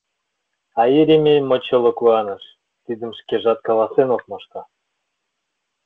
А Еремей мочоло куаныш — тидым шкежат каласен ок мошто.